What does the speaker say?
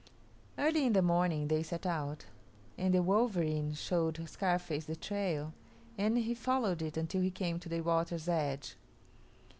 Early in the morning they set out, and the wolverene showed Scarface the trail, and he followed it until he came to the water's edge.